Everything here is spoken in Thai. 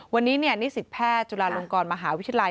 วันนี้นิสิตแพทย์จุฬาลงกรมหาวิทยาลัย